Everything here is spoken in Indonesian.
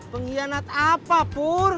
pengkhianat apa pur